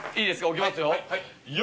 置きますよ